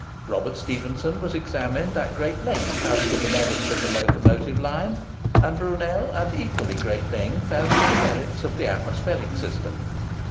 Robert Stephenson was examined at great length as to the merits of the locomotive line, and Brunel at equally great length as to the merits of the atmospheric system.